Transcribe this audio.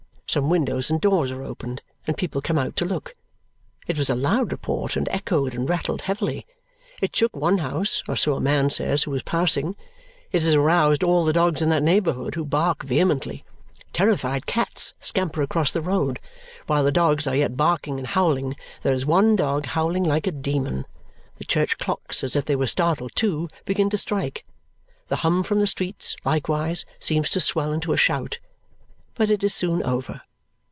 Some windows and doors are opened, and people come out to look. It was a loud report and echoed and rattled heavily. It shook one house, or so a man says who was passing. It has aroused all the dogs in the neighbourhood, who bark vehemently. Terrified cats scamper across the road. While the dogs are yet barking and howling there is one dog howling like a demon the church clocks, as if they were startled too, begin to strike. The hum from the streets, likewise, seems to swell into a shout. But it is soon over.